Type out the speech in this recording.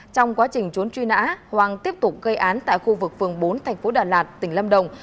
trong quá trình trốn truy nã hoàng tiếp tục gây án tại khu vực phường bốn thành phố đà lạt tỉnh lâm đồng